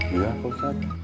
iya pak ustadz